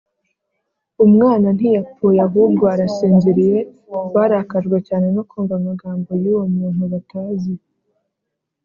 umwana ntiyapfuye ahubwo arasinziriye” barakajwe cyane no kumva amagambo y’uwo muntu batazi